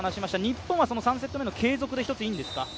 日本は３セット目の継続でいいんですか？